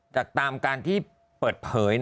ตามการที่เปิดเผย